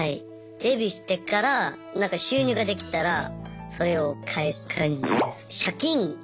デビューしてから収入ができたらそれを返す感じです。